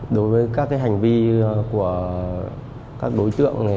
đối với các hành vi của các đối tượng